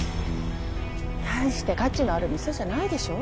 大して価値のある店じゃないでしょ。